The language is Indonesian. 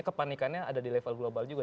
kepanikannya ada di level global juga